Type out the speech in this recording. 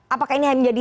apakah ini menjadi